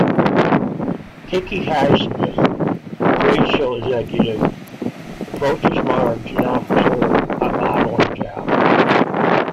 Kiki Highsmith, a trade show executive, approaches Marge and offers her a modeling job.